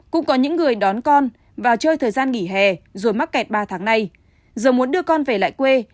cũng có những người đón con vào chơi thời gian nghỉ hè rồi mắc kẹt ba tháng nay giờ muốn đưa con về lại quê